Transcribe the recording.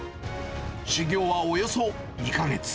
修業はおよそ２か月。